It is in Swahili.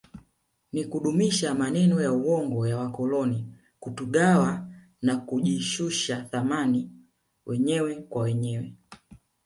Ni kudumisha maneno ya uongo ya wakoloni kutugawa na kujishusha thamani wenyewe kwa wenyewe